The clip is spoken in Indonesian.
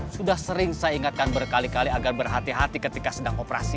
sudah sering saya ingatkan berkali kali agar berhati hati ketika sedang operasi